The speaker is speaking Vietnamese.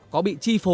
có bị chi phối